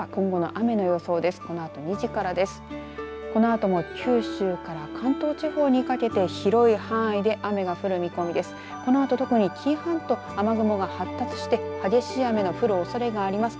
このあとも九州から関東地方にかけて広い範囲で雨が降る見込みです。